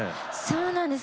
そうなんです。